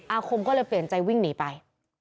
อาคมก็เลยเปลี่ยนใจวิ่งหนีไป